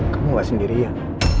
kamu gak sendirian